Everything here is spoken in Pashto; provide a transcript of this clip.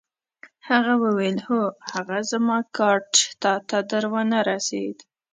هغه وویل: هو، هغه زما کارډ تا ته در ونه رسید؟